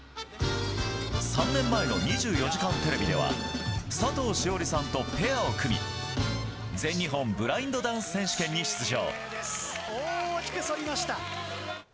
３年前の『２４時間テレビ』では佐藤栞里さんとペアを組み、全日本ブラインドダンス選手権に出場。